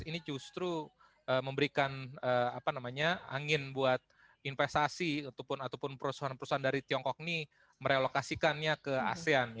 ini justru memberikan angin buat investasi ataupun perusahaan perusahaan dari tiongkok ini merelokasikannya ke asean